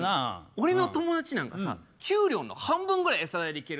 俺の友達なんかさ給料の半分ぐらい餌代で消えるっつって。